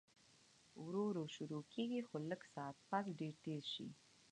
ورو ورو شورو کيږي خو لږ ساعت پس ډېر تېز شي